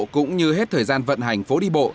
cũng như hết thời gian vận hành phố đi bộ